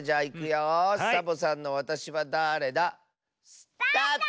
スタート！